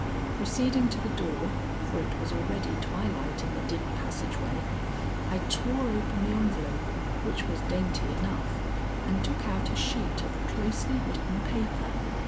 Proceeding to the door, for it was already twilight in the dim passage way, I tore open the envelope which was dainty enough and took out a sheet of closely written paper.